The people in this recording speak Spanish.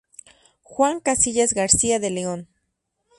Juan Casillas García de León.